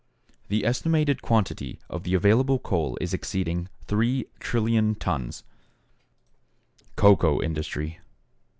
The estimated quantity of the available coal is exceeding 3,000,000,000,000 tons. =Cocoa Industry.